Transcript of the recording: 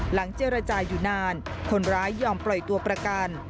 เจรจาอยู่นานคนร้ายยอมปล่อยตัวประกัน